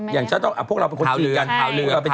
อย่างเช่นต้องอ่ะพวกเราคนถือกัน